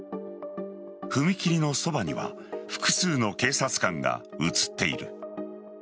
踏切のそばには複数の警察官が写っている。